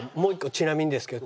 ちなみにですけど。